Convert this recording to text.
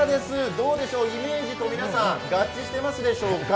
どうでしょう、イメージと皆さん、合致していますでしょうか。